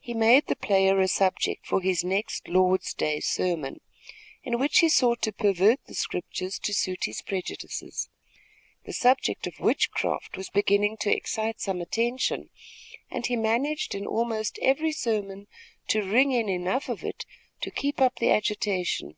He made the player a subject for his next Lord's day sermon, in which he sought to pervert the scriptures to suit his prejudices. The subject of witchcraft was beginning to excite some attention, and he managed in almost every sermon to ring in enough of it to keep up the agitation.